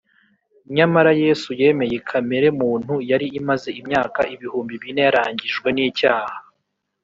. Nyamara Yesu yemeye kamere muntu yari imaze imyaka ibihumbi bine yarangijwe n’icyaha.